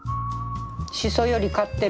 しそより勝ってる。